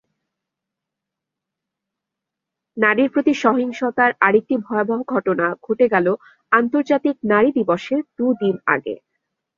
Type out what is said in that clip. নারীর প্রতি সহিংসতার আরেকটি ভয়াবহ ঘটনা ঘটে গেল আন্তর্জাতিক নারী দিবসের দুদিন আগে।